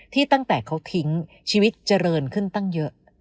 ตั้งแต่เขาทิ้งชีวิตเจริญขึ้นตั้งเยอะ